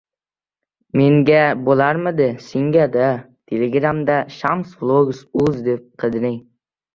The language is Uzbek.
— Menga bo‘larmidi, senga-da.